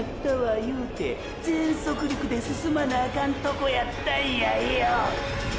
言うて全速力で進まなあかんとこやったんやよ！！